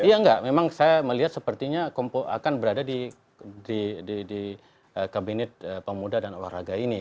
iya enggak memang saya melihat sepertinya akan berada di kabinet pemuda dan olahraga ini